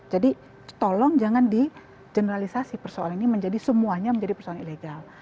jadi tolong jangan dijeneralisasi persoalan ini menjadi semuanya menjadi persoalan ilegal